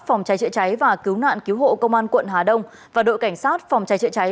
phòng cháy chữa cháy và cứu nạn cứu hộ công an quận hà đông và đội cảnh sát phòng cháy chữa cháy